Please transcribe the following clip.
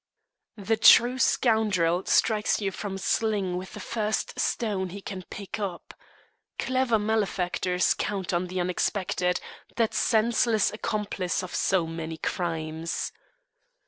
The true scoundrel strikes you from a sling with the first stone he can pick up. Clever malefactors count on the unexpected, that senseless accomplice of so many crimes.